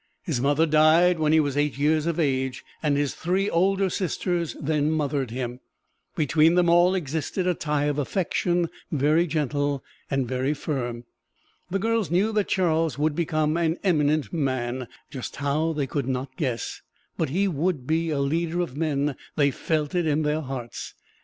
His mother died when he was eight years of age, and his three older sisters then mothered him. Between them all existed a tie of affection, very gentle, and very firm. The girls knew that Charles would become an eminent man just how they could not guess but he would be a leader of men: they felt it in their hearts.